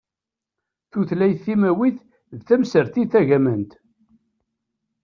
Tutlayt timawit d tamsertit tagamant.